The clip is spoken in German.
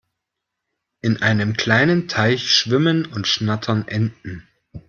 In einem kleinen Teich schwimmen und schnattern Enten.